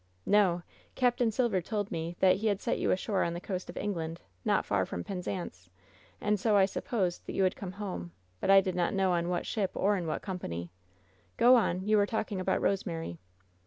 "No. Capt. Silver told me that he had set you ashore on the coast of England, not far from Penzance, and so I supposed that you had come home ; but I did not know on what ship or in what company! Go on! you were talking about Rosemary."